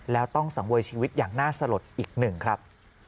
แล้วต้องสังเวยชีวิตอย่างน่าสลดอีกหนึ่งครับ